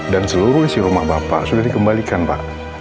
dan seluruh isi rumah bapak sudah dikembalikan pak